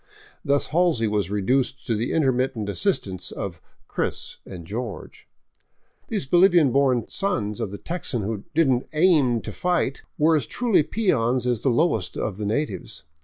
Thus Halsey was reduced to the intermittent assistance of " Chris " and George. These Bolivian born sons of the Texan who did n't " aim " to fight were as truly peons as the lowest of the natives.